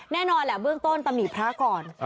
แน่นอนแหละเบื้องต้นตำหนิพระก่อน